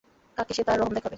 কাকে সে তার রহম দেখাবে?